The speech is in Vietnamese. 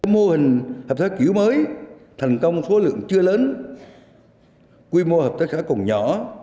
mô hình hợp tác xã kiểu mới thành công số lượng chưa lớn quy mô hợp tác xã còn nhỏ